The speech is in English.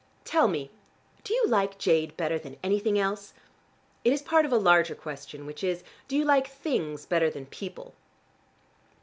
Tell me, do you like jade better than anything else? It is part of a larger question, which is: 'Do you like things better than people?'